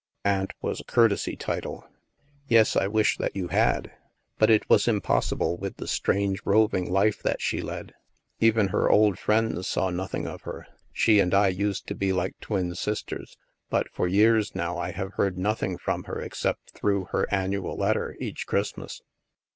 ("Aunt" was a courtesy title. )" Yes, I wish that you had. But it was impossi ble with the strange roving life that she led. Even i8 THE MASK her old friends saw nothing of her. She and I used to be like twin sisters; but, for years now, I have heard nothing from her except through her annual letter, each Christmas."